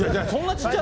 ちっちゃ。